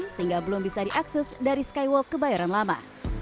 sehingga belum bisa diakses dari skywalk kebayoran lama